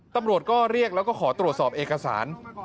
ตำรวจก็เรียกแล้วก็ขอตรวจสอบเอกสาร